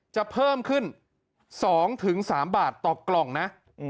เพิ่มขึ้น๒๓บาทต่อกล่องนะ